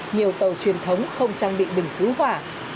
nhiều tàu truyền thống không trang bị bình cứu hỏa